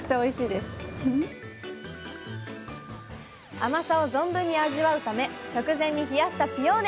甘さを存分に味わうため直前に冷やしたピオーネ。